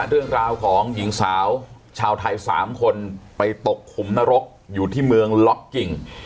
เรื่องราวของหญิงสาวชาวไทย๓คนไปตกขุมนรกอยู่ที่เมืองล็อกกิ่ง